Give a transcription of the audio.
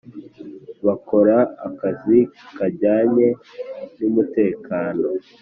bakora akazi kajyanye n umutekano